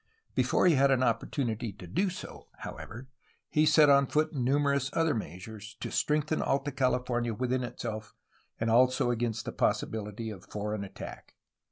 Before he had an opportunity to do so, however, he set on foot numerous other measures, to strengthen Alta California within itself and also as against the possibility of foreign attack.